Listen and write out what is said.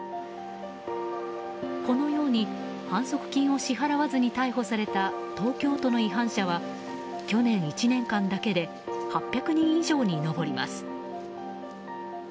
このように反則金を支払わずに逮捕された東京都の違反者は去年１年間だけで８００人以上に上ります。